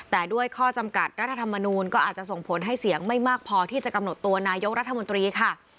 แต่ด้วยข้อจำกัดรัฐธรรมนูลก็อาจจะส่งผลให้เสียงไม่มากพอที่จะกำหนดตัวนายกรัฐมนตรีค่ะ